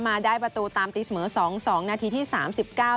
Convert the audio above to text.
มาได้ประตูตามตีเสมอ๒๒นาทีที่๓๙นะคะ